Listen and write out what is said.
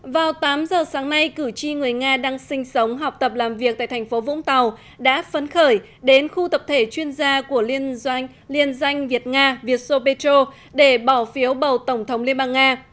vào tám giờ sáng nay cử tri người nga đang sinh sống học tập làm việc tại thành phố vũng tàu đã phấn khởi đến khu tập thể chuyên gia của liên danh việt nga vietso petro để bỏ phiếu bầu tổng thống liên bang nga